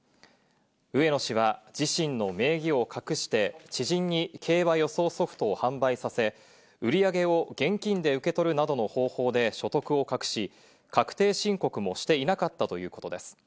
植野氏は自身の名義を隠して知人に競馬予想ソフトを販売させ、売り上げを現金で受け取るなどの方法で所得を隠し、確定申告をしていなかったということです。